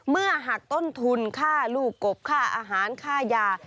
หากต้นทุนค่าลูกกบค่าอาหารค่ายา